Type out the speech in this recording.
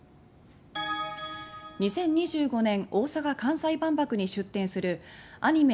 ２０２５年大阪・関西万博に出展するアニメ